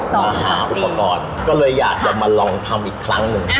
มาหาอุปกรณ์ก็เลยอยากจะมาลองทำอีกครั้งหนึ่ง